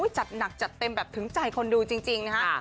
จัดหนักจัดเต็มแบบถึงใจคนดูจริงนะฮะ